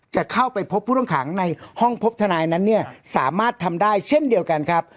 จะเข้าไปพบผู้ต้องขังในห้องพบทนายนั้นเนี่ยสามารถทำได้เช่นเดียวกันครับ